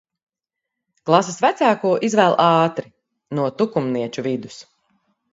Klases vecāko izvēl ātri no tukumnieču vidus.